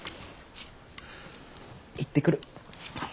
行ってくる。